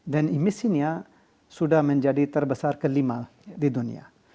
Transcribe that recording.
dan emisinya sudah menjadi terbesar ke lima di dunia